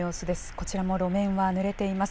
こちらも路面はぬれています。